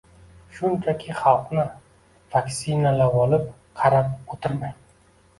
Shunchaki xalqni vaksinalavolib qarab o' tirmang